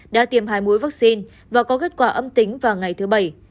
đã tiêm hai mũi vaccine và có kết quả âm tính vào ngày thứ bảy